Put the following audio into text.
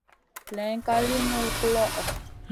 Layn ka li nullu guloʼo.